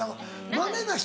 まめな人？